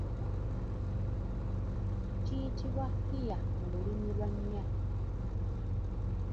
Kiyitibwa kiya mu lulimi lwannya.